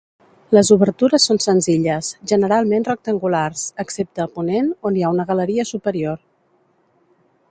Les obertures són senzilles, generalment rectangulars, excepte a ponent on hi ha una galeria superior.